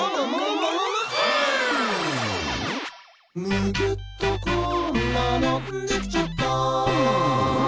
「むぎゅっとこんなのできちゃった！」